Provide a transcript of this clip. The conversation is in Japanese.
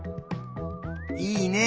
いいね。